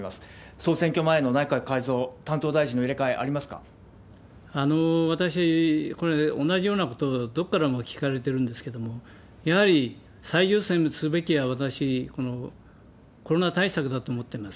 総選挙前の内閣改造、担当大臣の入れ替え、あ私、この間、同じようなことをどこからも聞かれてるんですけれども、やはり最優先すべきは、私、このコロナ対策だと思ってます。